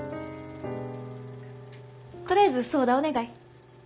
とりあえずソーダお願い。